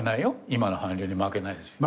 今の韓流に負けないですよ。